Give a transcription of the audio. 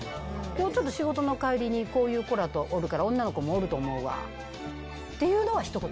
今日ちょっと仕事の帰りにこういう子らとおるから女の子もおると思うわっていうのは一言言って。